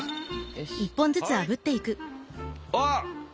あっ！